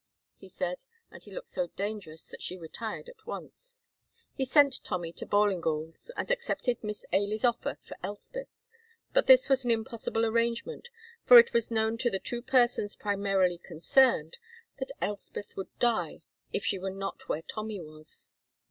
he said, and he looked so dangerous that she retired at once. He sent Tommy to Ballingall's, and accepted Miss Ailie's offer for Elspeth, but this was an impossible arrangement, for it was known to the two persons primarily concerned that Elspeth would die if she was not where Tommy was.